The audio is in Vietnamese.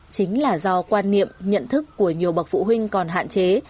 chính là do quan niệm nhận thức của nhiều bậc phụ huynh còn hạn chế